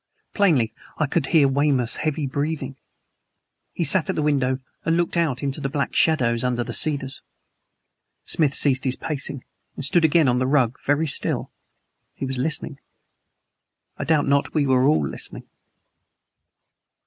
Plainly I could hear Weymouth's heavy breathing. He sat at the window and looked out into the black shadows under the cedars. Smith ceased his pacing and stood again on the rug very still. He was listening! I doubt not we were all listening.